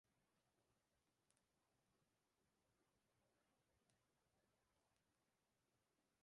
Se llegó al final del partido.